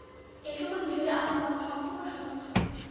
এ-সকল বিষয়ে আমার মত সম্পূর্ণ স্বতন্ত্র।